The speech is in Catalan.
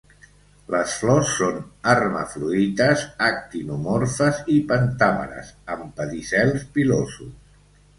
Les flors són hermafrodites, actinomorfes i pentàmeres amb pedicels pilosos.